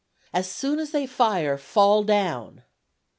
"As soon as they fire, fall down."